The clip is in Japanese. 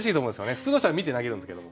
普通の人は見て投げるんですけども。